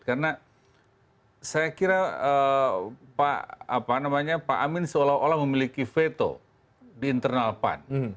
karena saya kira pak amin seolah olah memiliki veto di internal pan